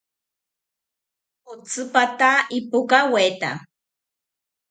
Otsipata ipokaweta